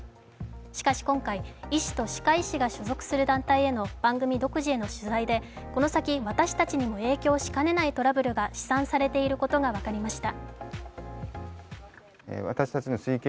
しかし今回、医師と歯科医師が所属する団体への番組独自の取材でこの先、私たちにも影響しかねないトラブルが試算されていることが分かりました。